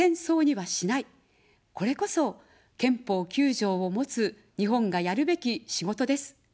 これこそ、憲法９条を持つ日本がやるべき仕事です。